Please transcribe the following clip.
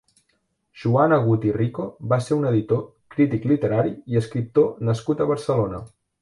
Joan Agut i Rico va ser un editor, crític literari i escriptor nascut a Barcelona.